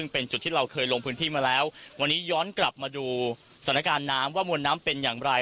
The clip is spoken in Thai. เป็นจุดที่เราเคยลงพื้นที่มาแล้ววันนี้ย้อนกลับมาดูสถานการณ์น้ำว่ามวลน้ำเป็นอย่างไร